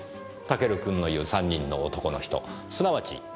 タケル君の言う３人の男の人すなわち。